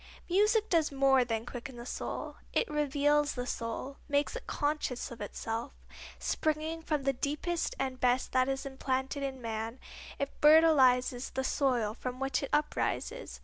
Music does more than quicken the soul; it reveals the soul, makes it conscious of itself. Springing from the deepest and best that is implanted in man, it fertilizes the soil from which it uprises.